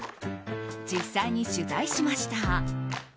実際に取材しました。